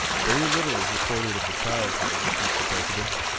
Very little is recorded of the childhood of the future President.